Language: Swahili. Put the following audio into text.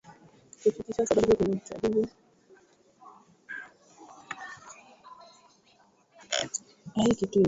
kufikisha suala hilo kwenye uchaguzi ujao wa kati kati ya mhula mwezi wa Novemba